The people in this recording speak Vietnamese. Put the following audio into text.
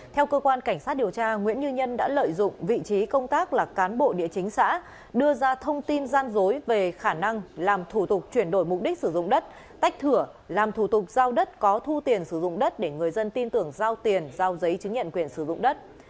theo cơ quan cảnh sát điều tra nguyễn như nhân đã lợi dụng vị trí công tác là cán bộ địa chính xã đưa ra thông tin gian dối về khả năng làm thủ tục chuyển đổi mục đích sử dụng đất tách thửa làm thủ tục giao đất có thu tiền sử dụng đất để người dân tin tưởng giao tiền giao giấy chứng nhận quyền sử dụng đất